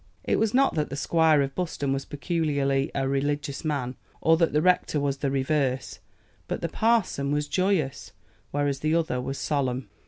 It was not that the Squire of Buston was peculiarly a religious man, or that the rector was the reverse: but the parson was joyous, whereas the other was solemn.